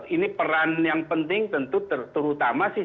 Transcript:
ini peran yang penting tentu terutama sih